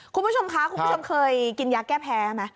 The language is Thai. คุณผู้ชมคะคุณผู้ชมเคยกินยาแก้แพ้ไหม